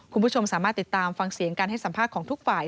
คุณผู้ชมสามารถติดตามฟังเสียงการให้สัมภาษณ์ของทุกฝ่าย